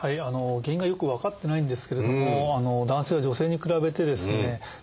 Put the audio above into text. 原因がよく分かってないんですけれども男性は女性に比べてですね